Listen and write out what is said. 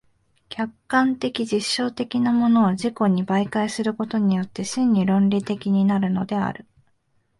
客観的実証的なものを自己に媒介することによって真に論理的になるのである。